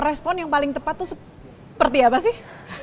respon yang paling tepat itu seperti apa sih